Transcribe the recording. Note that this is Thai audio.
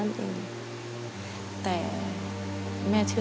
จะใช้หรือไม่ใช้ครับ